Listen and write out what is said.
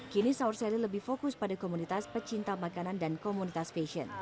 kini saur seri lebih fokus pada komunitas pecinta makanan dan komunitas fashion